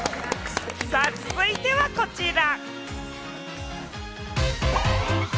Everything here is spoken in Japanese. さぁ、続いてはこちら。